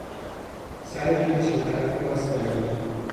سر پیچ به طرف راست بروید.